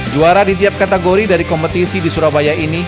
juara di tiap kategori dari kompetisi di surabaya ini